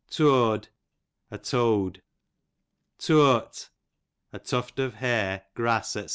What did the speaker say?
Tooad, a toad. Tooat, a tuft of hair, grass, dx.